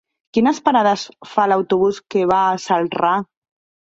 Quines parades fa l'autobús que va a Celrà?